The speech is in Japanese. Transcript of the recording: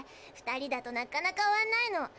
２人だとなかなか終わんないの。